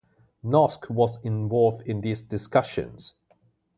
Noske was involved in these discussions.